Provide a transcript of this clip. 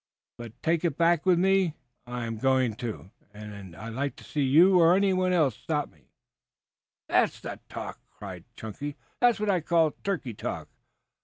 But take it back with me I am going to, and I'd like to see you or anyone else stop me." "That's the talk," cried Chunky. "That's what I call turkey talk.